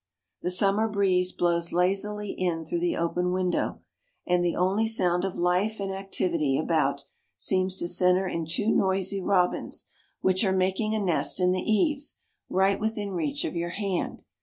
The summer breeze blows lazily in through the open window, and the only sound of life and activity about seems to center in two noisy robins which are making a nest in the eaves, right within reach of your hand.